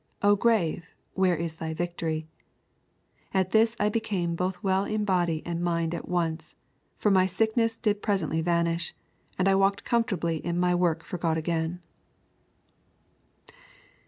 Oh Grave, where is thy victory? At this I became both well in body and mind at once, for my sickness did presently vanish, and I walked comfortably in my work for God again.'